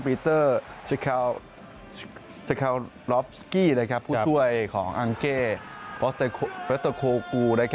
เตอร์สคาวลอฟสกี้ผู้ช่วยของอังเก้เบสเตอร์โคกู